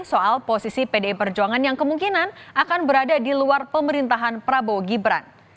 soal posisi pdi perjuangan yang kemungkinan akan berada di luar pemerintahan prabowo gibran